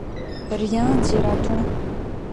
Rien, dira-t-on ?